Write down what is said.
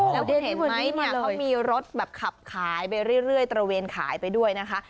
แล้วคุณเห็นไหมเนี่ยเขามีรถแบบขับขายไปเรื่อยตระเวนขายไปด้วยนะคะ